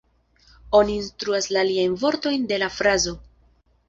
Oni instruas la aliajn vortojn de la frazo.